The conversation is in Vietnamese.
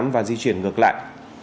và di chuyển ngược lại